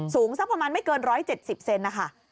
สูงสักประมาณไม่เกิน๑๗๐เซนนะคะ